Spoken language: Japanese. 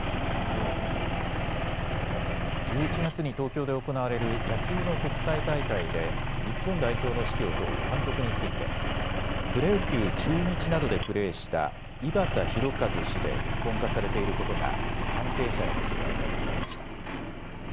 １１月に東京で行われる野球の国際大会で日本代表の指揮を執る監督についてプロ野球、中日などでプレーした井端弘和氏で一本化されていることが関係者への取材で分かりました。